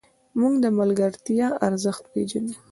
موږ د ملګرتیا ارزښت پېژنو.